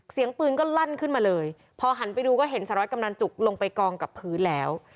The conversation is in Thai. เสียงปืนก็ลั่นขึ้นมาเลยพอหันไปดูก็เห็นสารวัตกำนันจุกลงไปกองกับพื้นแล้ว